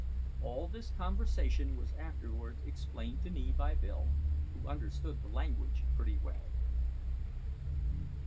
All this conversation was afterwards explained to me by Bill, who understood the language pretty well.